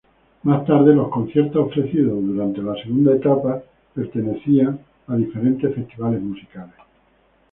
Más tarde, los conciertos ofrecidos durante la segunda etapa pertenecían a diferentes festivales musicales.